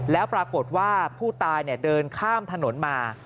แล้วปรากฏว่าผู้ตายเดินข้ามถนนมา